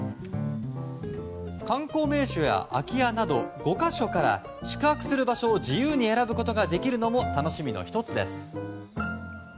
観光名所や空き家など５か所から宿泊する場所を自由に選ぶことができるのも楽しみの１つです。